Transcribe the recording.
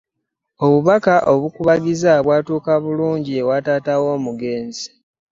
Obubaka obukubagiza bwatuuka bulungi ewa taata w'omugenzi.